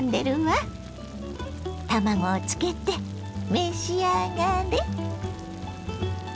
卵をつけて召し上がれ！